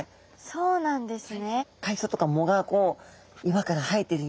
そうなんです。